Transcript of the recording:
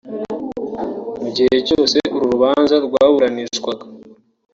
Mu gihe cyose uru rubanza rwaburanishwaga